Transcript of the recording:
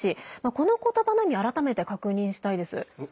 この言葉の意味を改めて確認したいです。